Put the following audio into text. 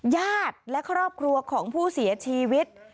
ญาติและครอบครัวของผู้เสียชีวิต